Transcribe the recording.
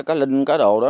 cá linh cá đồ đó